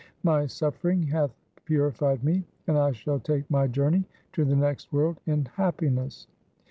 My suffering hath purified me, and I shall take my journey to the next world in happiness.'